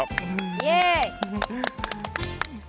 イエイ！